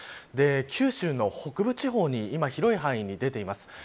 九州の北部地方に今、広い範囲に出ています。